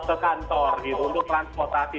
ke kantor gitu untuk transportasi